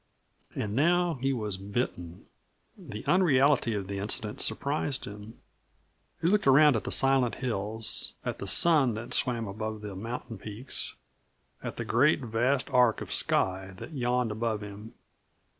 And now he was bitten. The unreality of the incident surprised him. He looked around at the silent hills, at the sun that swam above the mountain peaks, at the great, vast arc of sky that yawned above him.